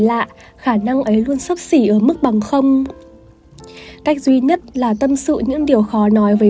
lạ khả năng ấy luôn sấp xỉ ở mức bằng cách duy nhất là tâm sự những điều khó nói về